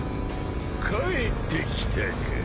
帰ってきたか。